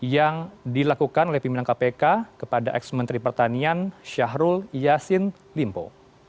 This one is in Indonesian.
yang dilakukan oleh pimpinan kpk kepada ex menteri pertanian syahrul yassin limpo